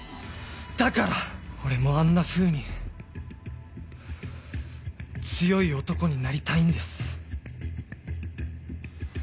だから俺もあんなふうに強い男になりたいんです。